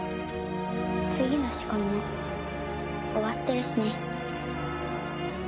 次の仕込みも終わってるしね。